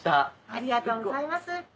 ありがとうございます。